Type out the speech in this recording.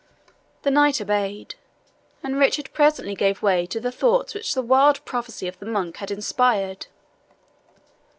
The knight obeyed, and Richard presently gave way to the thoughts which the wild prophecy of the monk had inspired.